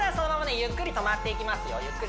ゆっくり止まっていきます